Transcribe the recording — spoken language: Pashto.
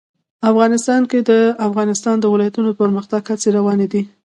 افغانستان کې د د افغانستان ولايتونه د پرمختګ هڅې روانې دي.